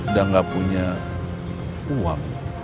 dan gak punya uang